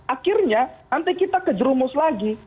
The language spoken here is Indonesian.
akhirnya nanti kita kejerumus lagi